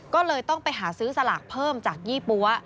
ก็เลยต้องไปหาซื้อสลากเพิ่มจากยี่ปั๊ว